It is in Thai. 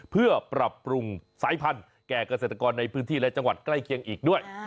เพื่อปรับปรุงสายพันธุ์แก่เกษตรกรในพื้นที่และจังหวัดใกล้เคียงอีกด้วย